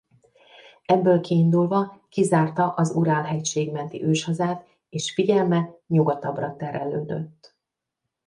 Ebből kiindulva kizárta az Urál hegység menti őshazát és figyelme nyugatabbra terelődött.